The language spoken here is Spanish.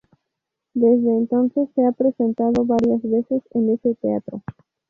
Desde entonces se ha presentado varias veces en ese teatro.